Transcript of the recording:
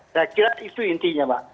saya kira itu intinya mbak